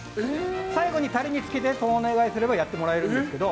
最後にタレにつけてとお願いすればやってもらえるんですけど。